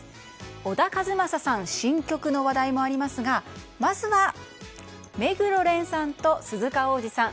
小田和正さん新曲の話題もありますがまずは目黒蓮さんと鈴鹿央士さん